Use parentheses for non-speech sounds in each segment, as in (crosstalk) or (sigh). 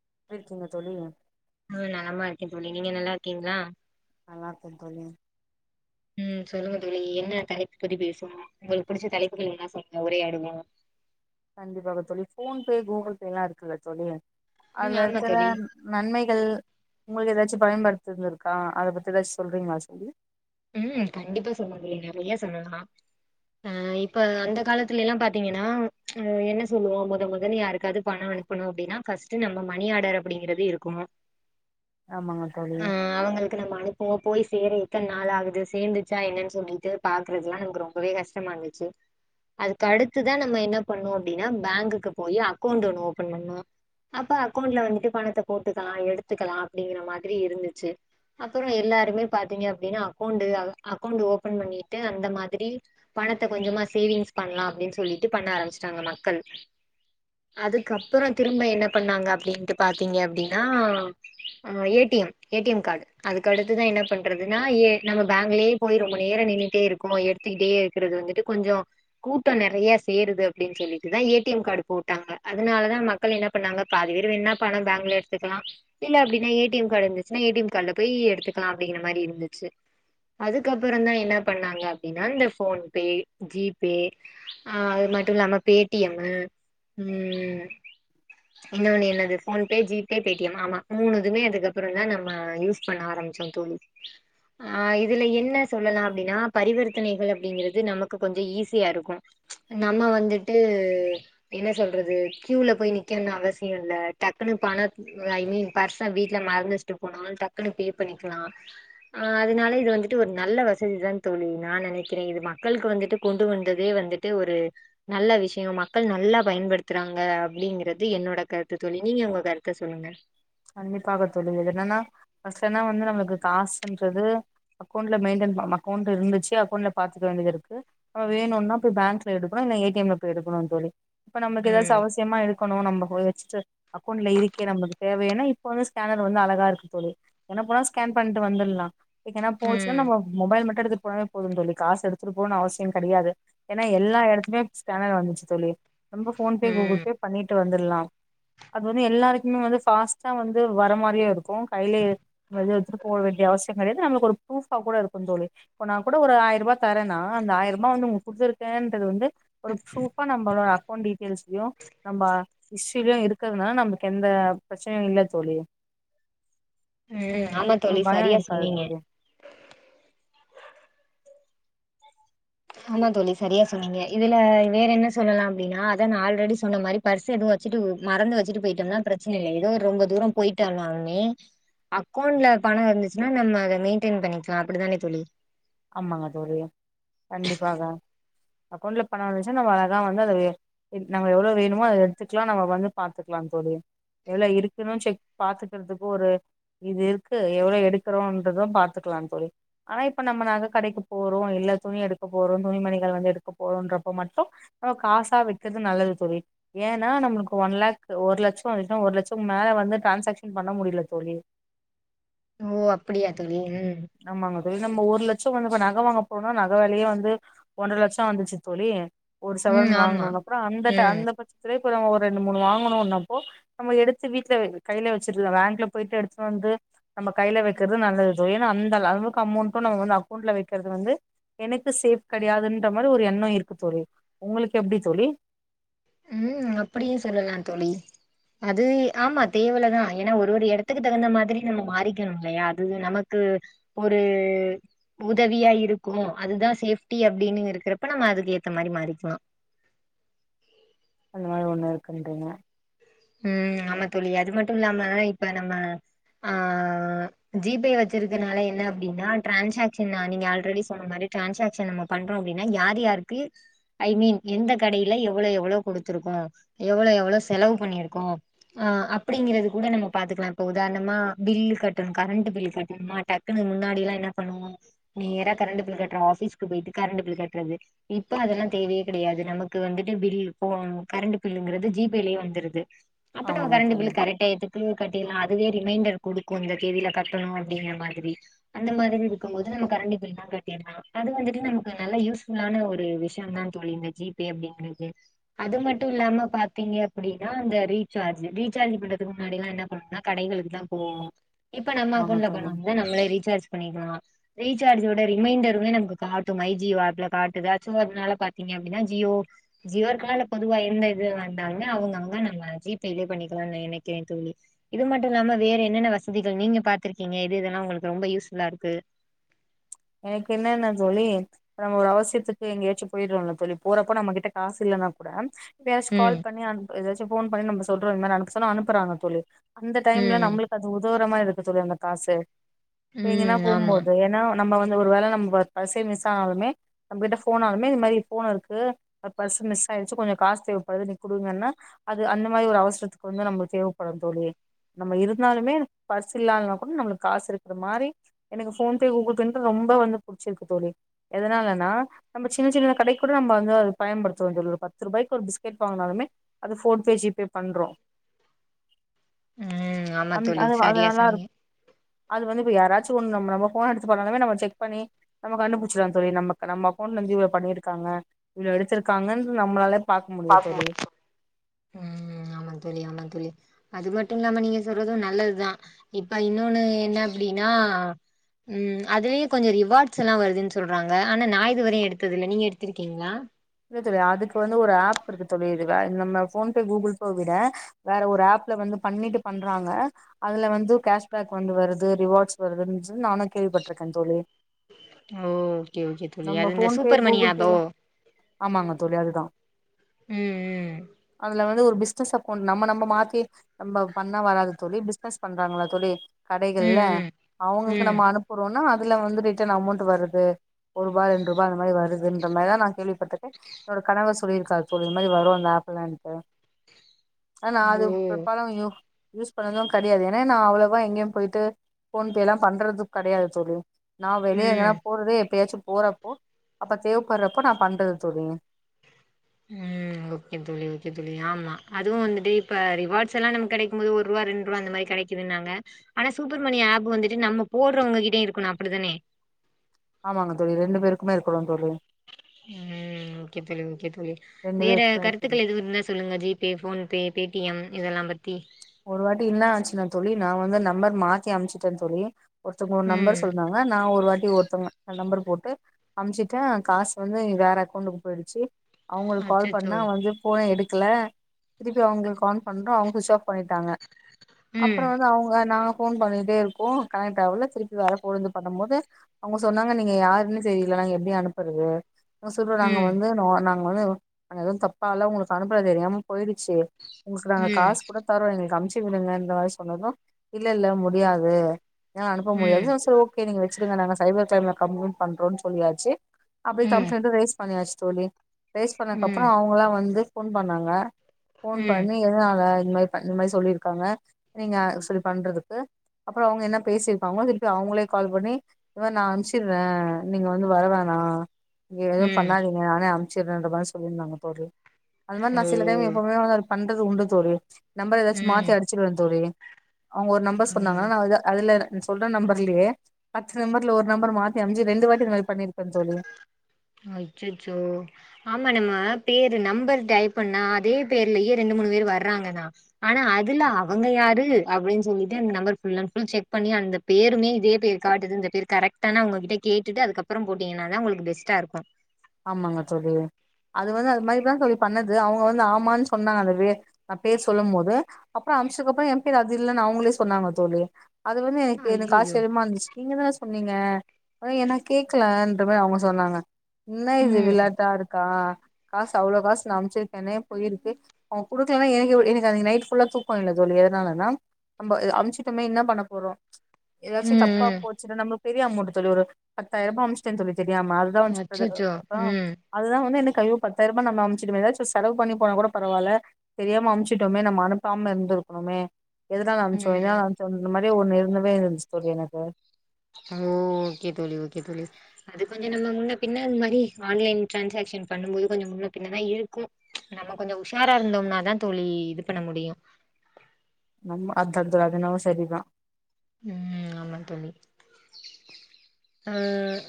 எப்புடி இருக்கீங்க தோழி ஆ நலமா இருக்கேன் தோழி நீங்க நல்லா இருக்கீங்களா நல்லா இருக்கேன் தோழி ம் சொல்லுங்க தோழி என்ன தலைப்பு பத்தி பேசுவோம் உங்களுக்கு புடிச்ச தலைப்புகள் என்ன சொல்லுங்க உரையாடுவோம் கண்டிப்பாக தோழி போன் பே கூகுள் பே எல்லாம் இருக்குல்ல தோழி ம் அதுல ஆமா இருக்கிற தோழி நன்மைகள் உங்களுக்கு ஏதாச்சும் பயன்படுத்துது இருக்கா அதை பத்தி ஏதாச்சும் சொல்றீங்களா தோழி ம் கண்டிப்பா சொல்லலாம் தோழி நிறைய சொல்லலாம் ஆ இப்ப அந்த காலத்துல எல்லாம் பாத்தீங்கன்னா ஆ என்ன சொல்லுவோம் முத முதல்ல யாருக்காவது பணம் அனுப்பணும் அப்படின்னா பஸ்ட் நம்ம மணி ஆர்டர் அப்படிங்கறது இருக்குனும் ஆமாங்க தோழி ஆ அவங்கள்க்கு நம்ப அனுப்புவோ போய்ஸ் சேர எத்தன் நா நாளாகுது சேந்துச்சா என்னன் சொல்லீட்டு பாக்றதுல்லா நமக்கு ரொம்பவே கஷ்டமா இருந்துச்சு அதுக்கடுத்துதா நம்ம என்ன பண்ணுவோப்டின்னா பேங்குக்கு போயி அக்கோண்டு ஓன்னு பண்னோ அப்ப அக்கோண்ட்ல வந்துட்டு பணத்த போட்டுக்கா எடுத்துக்கலா அப்டிங்ர மாதிரி இருந்துச்சு அப்புறோ எல்லாருமே பாத்தீங்கப் ப்டினா அக்கோண்டு அக அக்கொண்டு ஓப்பன் பண்ணீட்டு அந்த மாதிரி பணத்த கொஞ்சமா சேவிங்ஸ் பண்லா அப்டின் சொல்லிட்டு பண்ண ஆரம்பிச்டாங்க மக்கள் அதுக்கப்புறோ திரும்ப என்ன பண்ணாங்க அப்டிண்டு பாத்திங்க அப்டினா ஆ A T M ATM card அதுக்கடுத்து தா என்னப்பன்றது எனா ஏ நம்ப பேங்லேயே போய் ரொம்ப நேர நின்னுட்டே இருக்கு எடுத்துக்கிட்டே இருக்குறது வந்துட்டு கொஞ்சோ கூட்டோ நெ நெறைய சேருது அப்டின் சொல்லிட்டுத ஏடிஎம் கார்டு போட்டாங்க அதனாலதா மக்கள் என்ன பண்ணாங்க பாதி பேரு வேண்னா பணோ பேங்க்ல எடுத்துக்லா இல்ல அப்டின்னா ஏடிஎம் கார்டு இருந்துச்னா ஏடிஎம் கார்டுல போயி எடுத்துக்லா அப்டிங்கிற மாரி இருந் துச்சு அதுக்கப்பறதா என்ன பண்ணாங்க அப்டின்னா இந்த போன்ப்பே ஜீப்பே ஆ அது மட்டு இல்லாம பேட்டியம்மு ஊம் இன்னொன்னு என்னது போன்ப்பே ஜீப்பே பேட்டியம் ஆமா மூணுதுமே அதுக்கப்பறோந்தா நம்மா யூஸ் பண்ண ஆரம்பிச்சோ தோழி ஆ இதுல என்ன சொல்லலா அப்டின்னா பரிவர்த்தனைகள் அப்டிங்கிறது நமக்கு கொஞ்சொ ஈஸியாருக்கு நம்ம வந்துட்டூ என்ன சொல்றது க்யூல போய் நிக்கணும்னு அவசியொ இல்லா டக்குன்னு பணத் ஐ மீன் பர்ச வீட்ல மறந்துஸ்ட்டு போனால் டக்குன்னு பே பண்ணிக்லா ஆ அதுனால இது வந்துட்டு ஒரு நல்ல வசதிதா தோழி நா நெனைக்கிறே இது மக்களுக் வந்துட்டு கொண்டு வந்ததே வந்துட்டு ஒரு நல்ல விஷ்யோ மக்கள் நல்லா பயன்படுத்துறாங்க அப்டீங்கிறது என்னோட கருத்து தோழி நீங்க உங்க கருத்த சொல்லுங்க கண்டிப்பாக தோழி எதுலன்னா பசனா வந்து நம்ளுக்கு காசுன்றதூ அக்கொண்ட்ல மெயின்டென் ம மக்கொண்ட் இருந்துச்சு அக்கொண்ட்ல பாத்துக்க வேண்டியது இருக்கு நம்ம வேணுன்னா போய் பேங்க்ல எடுக்ணு இல்ல ஏடிஎம்ல போய் எடுக்ணு தோழி இப்ப நம்முக்கு எதாச்சு ம் அவசியமா எடுக்கணு நம்ப போய் வச்சுட்டு அக்கொண்ட்ல இருக்கே நம்பக்கு தேவையன்னா இப்ப வந்து ஸ்கேனர் வந்து அழகா இருக்கு தோழி என்ன போனா ஸ்கேன் பண்ட்டு வந்துர்லா எக்கனா போச்னா ம் நம்மொ மொபைல் மட்டு எடுத்துட் போனப் போது தோழி காசு எடுத்துட்டு போணுன் அவ்சியொ கெடயாது ஏனா எல்லா எடத்துமே ஸ்கேனர் வந்துச்சு தோழி ரொம்ப போன்பே ம் கூகுள்பே பண்ணிட்டு வந்த லா அது வந்து எல்லாருக்குமே வந்து ஃபாஸ்ட்டா வந்து வர மாரியே இருக்கு கையிலேயே நம்ப எது எடுத்துட்டு போட வேண்டிய அவஸ்யங் கெடையாது நம்மளுக்கொரு ப்ரூஃபா கூட இருக்குந் தோழி இப்போ நா கூட ஒரு ஆயிரரூபா தரனா அந்த ஆயிரரூபா வந்து உங்ளுக் குடுத்துருக்கேன்றது வந்து ஒரு ப்ரூஃபா நம்பளோட அக்கொண்ட் டீட்டெயில்ஸ்லியு நம்ப சில்லயு எடுக்குறதுனால நம்புக் எந்தா ப்ரச்சனயுல்ல தோழி உம் ஆமா ஒரு தோழி பயோ சரியா இருக்காது சொன்னீங்க தோழி ஆமா தோழி சரியா சொன்னீங்க இதுலா வேறென்ன சொல்லலா அப்டின்னா அத நா ஆல்ரெடி சொன்ன மாரி பர்ஸ் எது வச்சுட்டு உ மறந்து வச்சிட்டு போயிட்டொம்னா பிரச்னில்லை எதோ ஒர் ரொம்ப தூரொ போயிட்டானால்மே அக்கொண்ட்ல பணோ இருந்துச்னா நம்ம அத மெயின்டெய்ன் பண்ணிக்லா அப்டிதானே தொழி அம்மாங்க தோழி கண்டிப்பாக அக்கொண்ட்ல பண வந்துச்சா நம்ம அழகா வந்து அத வெ இந் நம்ம எவ்ளோ வேணுமோ அத எடுத்துக்லா நம்ம வந்து பாத்துக்லாங் தோழி எவ்ள இருக்குணு செக் பாத்துக்றதுக்கு ஒரு இது இருக்கு எவ்ளோ எடுக்றோன்றது பாத்துக்லான் தோழி ஆனா இப்ப நம்ம நக கடைக்கு போறோ இல்ல துணி எடுக்க போறோ துணி மணிகள் வந்து எடுக்க போறோன்றப்ப மட்டு அ காசா வெக்கிறது நல்லது தோழி ஏன்னா நம்ளுக்கு ஒன் லேக் ஒரு லட்சோ வந்துச்னா ஒரு லட்சம் மேல வந்து டிரான்சாக்ஷன் பண்ண முடில தோழி ஓ அப்டியா தோழி ம் ஆமாங்க தோழி நம்ம ஒரு லட்ச் து இப்போ நகவாங்க போறோனா நக வெலயே வந்து ஒன்ற லட்சோ வந்துச்சு தோழி ஒரு ம் சவரன் ஆமா வாங்கனோ அப்றோ அந்த ட ம் அந்த பட்சத்துரே அப்புறோ ஒரு ரெண்டு மூணு வாங்குணுனப்போ நம்ம எடுத்து வீட்ல வை கைல வெச்சுட்லா பேங்க்ல போயிட்டு எடுத்துட் வந்து நம்ம கைல வெக்கிறது நல்லது தோழி ன்னா அந்த லவளுக்கு அமோண்ட்டு நம்ம வந்து அக்கோண்ட்ல வெக்கிறது வந்து எனக்கு சேஃப் கெடையாதுன்ற மாரி ஒரு எண்ணோ இருக்குத் தோழி உங்களுக்கு எப்டித் தோழி ம் அப்டியே சொல்லலாந் தோழி அது ஆமா தேவலதா ஏனா ஒரு ஒரு எடத்துக்கு தகுந்த மாதிரி நம்மோ மாறிக்கணு இல்லையா அது நமக்கு ஒரு உதவியா இருக்கு அதுதா சேஃப்டி அப்டின்னு இருக்குறப்ப நம்ம அதுக்கு ஏத்த மாரி மாறிக்கலா அந்த மாரி ஒன்னு இருக்குன்றீங்க ம் ஆமா தோழி அது மட்டு இல்லாமா இப்ப நம்மா ஆ ஜி பே வச்சிருக்கனால என்ன அப்டின்னா ட்ரான்சாக்ஷன்னா நீங்க ஆல்ரெடி சொன்ன மாரி ட்ரான்சாக்ஷன் நம்ம பண்றோ அப்டின்னா யார் யாருக்கு ஐ மீன் எந்த கடையில எவ்ளோ எவ்ளோ குடுத்துருக்கோ எவ்ளோ எவ்ளோ செலவு பண்ணிருக் கோ அ அப்டிங்கறது கூட நம்ம பாத்துக்கலா இப்ப உதாரணமா பில் கட்டணு கரண்ட் பில் கட்டணும்மா டக்குன்னு முன்னாடிலா என்ன பண்ணுவோ நேரா கரண்ட் பில் கட்ற ஆஃபீஸ்கு போயிட்டு கரண்ட் பில் கட்றது இப்ப அதெல்லா தேவயே கெடையாது நமக்கு வந்துட்டு பில் போ கரண்ட் பில்ங்குறது ஜி பே லயே வந்துருது அப்ப நம்ம ஆமாங்க கரண்டு தோழி பில் கரெட் டயத்துக்கு கட்டிர்லா அ அதுவே ரிமைண்டர் குடுக்கு இந்த தேதில கட்டணு அப்டிங்க மாதிரி அந்த மாதிரி இருக்கும்போது நம்ம கரண்டு பில்லா கட்டிர்லா அது வந்துட்டு நமக்கு நல்ல யூஸ்ஃபுள்ளானா ஒரு விஷ்யந் தான் தோழி இந்த ஜீ பே அப்டிங்கிறது அது மட்டு இல்லாம பாத்தீங்க அப்டினா அந்த ரீட் சார்ஜ் ரீசார்ஜ் பண்றதுக்கு முன்னாடில்லா என்ன பண்ணணுனா கடைகளுக்கு தா போவோ இப்ப நம்ம ஆமாங்க அக்கவுண்ட்ல தோழி பணம் இருந்தா நம்ளே ரீசார்ஜ் பண்ணிக்லா ரீசார்ஜோட ரிமைண்டருமே நமக்கு காட்டு மை ஜியோ ஆப்ல காட்டுது அதுசும்மா அதனால பாத்தீங்க அப்டின்னா ஜியோ ஜியோ இருக்கா இல்ல பொதுவா எந்த இது வந்தாலுமே அவுங்க அவுங்க நம்ம ஜீப் கையிலேயே பண்ணிக்லான் நெனைக்கிறே தோழி இது மட்டு இல்லாம வேற என்னென்ன வசதிகள் நீங்க பாத்திருக்கீங்க எது எதெல்லா உங்களுக்கு ரொம்ப யூஸ்ஃபுல்லா இருக்கு. எனக்கு என்னன்னா தோழி நம்ப ஒர் அவசியத்துக்கு எங்கியாச்சி போயிறோல்ல தோழி போறப்ப நம்ம கிட்ட காசு இல்லன்னா கூட எதாயாச் கால் ம் பண்ணி அந் எதாச் சேர் போன் பண்ணி நம்ப சொல்றோ இந்மாரி அனுப்ப சொன்ன அனுப்புறாங்க தோழி அந்த டைம்ல ம் நம்மளுக்கு அது உதவு ந்த மாரி இருக்கு தோழி அந்த காசு இப்ப எங்கன்னா ம் ஆமா போகுபோது ஏன்னா நம்ம வந்து ஒரு வேல நம்ம பர்சே மிஸ் ஆனாலுமே நம்ம கிட்ட ஃபோனாலுமே இந் மாரி போன் இருக்கு பர்ஸ் மிஸ் ஆயிடுச்சு கொஞ்சோ காசு தேவைப்படுது நீங் கொடுங்கன்னா அது அந்த மாரி ஒரு அவசரத்துக்கு வந்து நம்மளுக்கு தேவைப்படும் தோழி நம்ம இருந்தாலுமே பர்ஸ் இல்லானா கூட நம்ளுக் காசு இருக்ற மாரி எனக்கு ஃபோன்பே கூகுள்பே பெண்கள் ரொம்ப வந்து புடுச்சிருக்கு தோழி எதனாலன்னா நம்ம சின்ன சின்ன கடை கூட நம்ம வந்து பயன்படுத்றோ தோழி ஒரு பத்து ரூபாய்க்கு ஒரு பிஸ்கெட் வாங்னாலுமே அது ஃபோன் ஜிபே பண்றோ ம் ஆமா அந் தோழி அது அது நல்லா சரியா இருக்கு சொன்னீங்க அது வந்து இப்ப யாராச்சு ஒண்ணு நம்ம நம் ஃபோன எடுத் எதுபண்ணாலுமே நம்ம செக் பண்ணி நம்ம கண்டுபுடுச்சுருவ தோழி நம்ம க நம்ம போன்லந்து ஜிபே பண்ணிருக்காங்க இல்ல எடுத்தருக்காங்கன் நம்லே பாக்க முடி தோழி ம் ஆமா தோழி ஆமா தோழி அது மட்டு இல்லாம நீங்க சொல்றது நல்லதுதா இப்ப இன்னொன்னு என்ன அப்டின்னா ம் அதலயு கொஞ்சோ ரிவாட்ஸ் எல்லா வருதுன்னு சொல்றாங்க ஆனா நா இதுவரையு எடுத்ததில்ல நீங்க எடுத்திருக்கீங்ளா ப்இருக் தோழி ரிவா நம்ம ஃபோன்பே கூகுள்பே விட வேற ஒரு ஆப்ல வந்து பண்ணிட்டு பண்றாங்க அதுல வந்து கேஷ்பேக் வந்து வருது ரிவாட்ஸ் வருது நானு கேள்விப்பட்டுருக்க தோழி ஓகே ஓகே தோழி நம்ம அது இந்த PhonePe super money Google ஆபோ பேல ஆமாங்க தோழி அதுதா ம் ம் அதுல வந்து ஒரு பிஸ் பிசினஸ் அக்கவுண்ட் நம்ப நம்ப மாத்தி நம்ப பண்ணா வராது தோழி பிஸ்னஸ் பண்றாங்கள தோழி ம், கடைகள்ல ம், அவுங்ளுக்கு நம்ப ம். அனுபுறோனா இதுல வந்துட்டு இத்தன அமௌண்ட் வருது ஒருபா ரெண்ருபா அந்த மாரி வருதுன்றமாரிதா நா கேல்விப் பாத்துட்டு என்னோட கனவர் சொல்லிருக்காரு தோழி இந்த மாரி வரு அந்த ஆப்லண்டு ஆனா அது இப்ப ஓ! பாருங்க யு யூஸ் பண்ணது கெடையாது ஏன்னா நா அவ்ளவா எங்கயு பொய்ட்டு ஃபோன்பேலா பண்றது கெடையாது தோழி நா வெளிய எங்கனா ம், போறதே எப்பயாச்சு போறப்போ அப்ப தேவப்பட்றப்ப நா பண்றது தோழி உம் ஓகே தோழி ஓகே தோழி ஆமா அதுவு வந்துட்டு இப்ப ரிவாட்ஸ் எல்லா நமக்கு கெடைக்கும்போது ஒருவா ரெண்ருவா அந்த மாரி கெடைக்குதுன்னாங்க ஆனா சூப்பர்மணி ஆப் வந்துட்டு நம்ப போட்றவங்ககிட்டயே இருக்கனு அப்டிதானே ஆமாங்க தோழி ரெண்டு பேருக்குமே இருக்கனு தோழி உம் ஓகே தோழி ஓகே தோழி ரெண்டு வேற பேருக்குமே இருக்கு கருத்துக்கள் எதுவு இருந்தா சொல்லுங்க ஜிபே ஃபோன்பே பேடிஎம் இதெல்லா பத்தி ஒரு வாட்டி என்ன ஆச்சினா தோழி நா வந்து நம்பர் மாத்தி அம்சிட்டே தோழி ஒருத்தவங்கோ ஒரு ம். நம்பர் சொன்னாங்க நா ஒரு வாட்டி ஒருத்தவங்க நம்பர் போட் பே அம்சிட்டே காசு வந்து வேற அக்கவுண்ட்டுக்கு பொய்டுச்சி அவ்ங்ளுக் கால் அச்சச்சோ! பண்ணா வந்து ஃபோனே எடுக் க்ல திர்ப்பி அவ்ங்ளுக்கு கான் பண்றோ (unintelligible) பொய்ட்டாங்க அப்றோ ம், வந்து அவங்க நா ஃபோன் பண்ணிட்டே இருக்கோ கனெக்டாவ்ல திருப்பி வேற ஃபோன்ல இருந்து பண்ணும் போது அவங்க சொன்னாங்க நீங்க யாருன்னு தெரில நாங்க எப்டி அனுபறது சொல்றோ நாங்க ம், வந்து நா நா ம் மொத நாங்க எதுவு தப்பாலா ஒங்ளுக்கு அனுப்பல தெரியாம பொயி சேரி ஒங்ளுக்கு நாங்க ம், காஸ் தரோ எங்ளுக்கு அம்ச்சி விடுங்க இந்த சொன்னது இல்ல இல்ல முடியாது எனா அனுப்ப ம், முடியாது சோ ஓகே நீங்க வச்சிக்கங்க நாங்க சைபர் க்ரைம்ல கம்லைன் பண்றோன் சொல்லியாச்சு அப்டி ம், கம்ப்லைன்டு ரைஸ் பண்ணியாச்சி தோழி ரேஸ் பண்ணதுக்கு அப்றோ ம், அவங்களா வந்து ஃபோன் பண்ணாங்க ஃபோன் ம், பண்ணி எதனால இந்த மாரி பன் இந்த மாரி சொல்லிருக்காங்க நீங்க சொல்லி பண்றதுக்கு அப்றோ அவங்க என்ன பேசிருப்பாங்கனு சொல்ட்டு அவங்களே கால் பண்ணி இந்த மாரி நா அம்ச்ர்வே நீங்க வந்து வரவேனா வேற எது ம். பண்ணாதீங்க நானே (unintelligible) மாரி சொல்லிருந்தாங்க (unintelligible) அது மார் ஓ! நா சில டைம் எப்பவுமே வந்து பண்றது உண்டு தோழி நம்பர எதாச்சு ம், மாத்தி அடிச்சிருவ தோழி அவ்ங்க ஒரு நம்பர் ம். சொன்னாங்கனா நா வந்து அதுல சொல்ற நம்பர்லயே பத்து நம்பர்ல ஒரு நம்பர மாத்தி அம்ச்சு ரெண்டு வாட்டி இந்த மாரி பண்ணிருக்க தோழி அச்சச்சோ ஆமா நம்ம பேரு நம்பர் டைப் பண்ணா அதே பேர்லயே ரெண்டு மூணு பேர் வர்றாங்கனா ஆனா அதுல அவங்க யாரு அப்டின் சொல்லிட்டு அந்த number full and full check பண்ணி அந்த பேருமே இதே பேர் காட்டுது இந்த பேர் கரெக்ட்டானு அவ்ங்ககிட்ட கேட்டுட்டு அதுக்கப்பறம் போட்டீங்கன்னா தா உங்கள்க்கு பெஸ்ட்டா இருக் கு ஆமாங்க தோழி அது வந்து அது மாரிதா தோழி பண்ணது அவ்ங்க வந்து ஆமான் சொன்னாலுமே நா பேர் சொல்லம்மோது அப்றோ அம்ச்சக்கப்றோ எம் பேர் அது இல்லன் அவுங்களே சொன்னாங்க தோழி அது வந்து எக்கு எனக்கு ஐயயோ ஆச்சரியமா இருந்துச்சு நீங்க தான சொன்னீங்க அத எனக் கேக்கலன்ற மாரி அவுங்க சொன்னாங்க என்ன இது ம் விளாட்டா இருக்கா காசு அவ்ளோ காசு நா அம்ச்சுருக்கேனே போயிருக்கு அவ்ங் குடுக்லன்னா எனக்கு எவ் எனக்கு அனக்கி நைட் ஃபுல்லா தூக்கொ இல்ல தோழி அத்னால நம் நம்ப எ அம்ச்சுட்டமே என்னா பண்ண போறோ ஏதாச்சு ம் தப்பா ம் போச்சுன்னா நம்ம பெரிய அமௌன்ட்டு தோழி ஒரு பத்தாயிருபா அம்ச்சிட்டே தோழி தெரியாம அதுதா வன்ச் அது அச்சச்சோ அப்பறோ ம் அதுதா வந்து எனக் அய்யோ பத்தாய்ருபா நம்ம அம்ச்சிட்டமே ஏதாச்சு செலவு பண்ணி போனா கூட பரவால்ல தெரியாம அம்ச்சிட்டோமே நம்ம அனுப்பாம இருந்துருக்ணுமே எதுனால அம்ச்சோ ம் எதுனால அம்ச்சோ இந்த மா ரி ஒன்னு இருந்தவே இருந்துச்சி தோழி எனக்கு ஓ ஓகே தோழி ஓகே தோழி அது கொஞ்சொ நம்ம முன்னப் பின்ன அந் மாரி ஆன்லைன் ட்ரான்சாக்ஷன் பண்ணும் போது கொஞ்சொ முன்னப் பின்னதா இருக்கு நம்ம கொஞ்சொ உஷாரா இருந்தோம்னா தா தோழி இது பண்ண முடியு நம் அத் அது அதென்னவோ சரிதா ம் ஆமா தோழி ஆ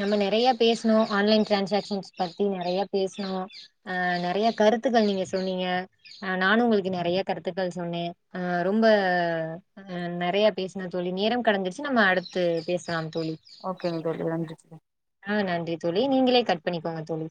நம்ம நெறையா பேசுனோ ஆன்லைன் ட்ரான்சாக்ஷன்ஸ் பத்தி நெறைய பேசுனோ ஆ நெறைய கருத்துகள் நீங்க சொன்னீங்க ஆ நானு உங்கள்க்கு நெறைய கருத்துக்கள் சொன்னே ஆ ரொம்ப ஆ நெறைய பேஸ் ணோ தோழி நேரம் கடந்துருச்சி நம்ம அடுத்து பேசலாம் தோழி ஓகேங்க தோழி நன்றி தோழி ஆ நன்றி தோழி நீங்களே கட் பண்ணிக்கோங்க தோழி